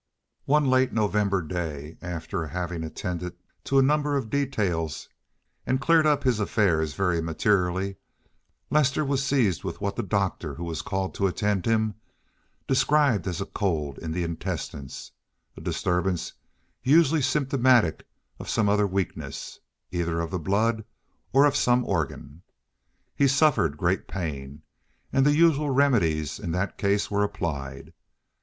One late November day, after having attended to a number of details and cleared up his affairs very materially, Lester was seized with what the doctor who was called to attend him described as a cold in the intestines—a disturbance usually symptomatic of some other weakness, either of the blood or of some organ. He suffered great pain, and the usual remedies in that case were applied.